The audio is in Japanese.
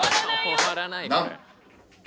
終わらないこれ。